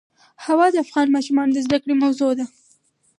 هوا د افغان ماشومانو د زده کړې موضوع ده.